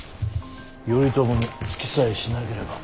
頼朝につきさえしなければ。